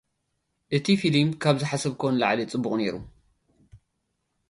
እቲ ፊልም ካብ ዝሓሰብክዎ ንላዕሊ ጽቡቕ ነይሩ።